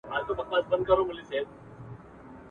ګیدړ ږغ کړه ویل زرکي دورغجني ..